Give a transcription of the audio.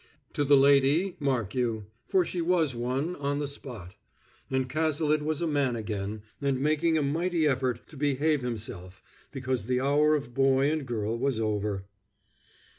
To the lady, mark you; for she was one, on the spot; and Cazalet was a man again, and making a mighty effort to behave himself because the hour of boy and girl was over.